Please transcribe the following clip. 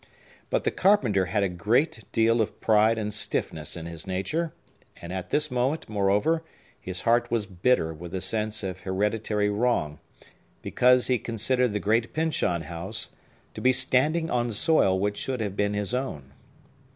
But the carpenter had a great deal of pride and stiffness in his nature; and, at this moment, moreover, his heart was bitter with the sense of hereditary wrong, because he considered the great Pyncheon House to be standing on soil which should have been his own.